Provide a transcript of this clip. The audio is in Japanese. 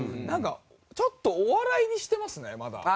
なんかちょっとお笑いにしてますねまだ。